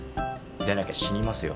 でなきゃ死にますよ。